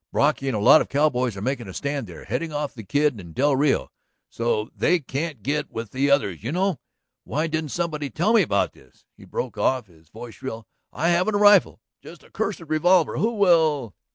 Brocky and a lot of cowboys are making a stand there, heading off the Kid and del Rio. So they can't get with the others, you know. ... Why didn't somebody tell me about this?" he broke off, his voice shrill. "I haven't a rifle, just a cursed revolver. Who will